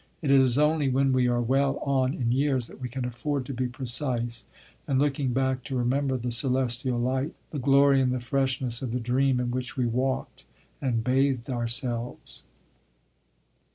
It is only when we are well on in years that we can afford to be precise and, looking back, to remember the celestial light, the glory and the freshness of the dream in which we walked and bathed ourselves.